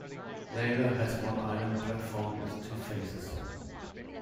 Lalor has one island platform with two faces.